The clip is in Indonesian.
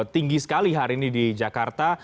tinggi sekali hari ini di jakarta